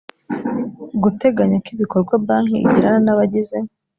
guteganya ko ibikorwa banki igirana n abagize